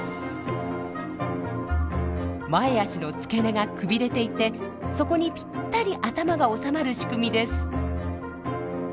前足の付け根がくびれていてそこにぴったり頭が収まる仕組みです。